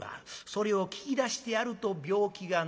それを聞き出してやると病気が治る。